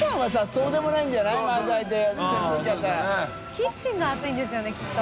キッチンが暑いんですよねきっと。